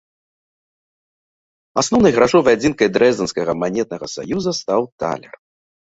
Асноўнай грашовай адзінкай дрэздэнскага манетнага саюза стаў талер.